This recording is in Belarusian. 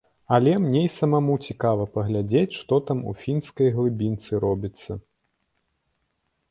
Але мне і самому цікава паглядзець, што там, у фінскай глыбінцы, робіцца.